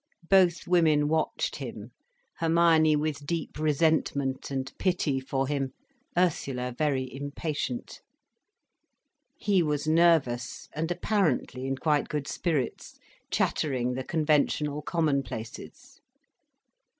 Both women watched him, Hermione with deep resentment and pity for him, Ursula very impatient. He was nervous and apparently in quite good spirits, chattering the conventional commonplaces.